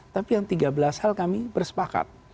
tapi yang tiga belas hal kami bersepakat